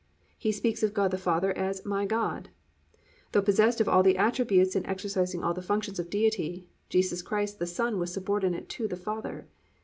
He speaks of God the Father as "My God." Though possessed of all the attributes and exercising all the functions of Deity, Jesus Christ the Son was subordinate to the Father.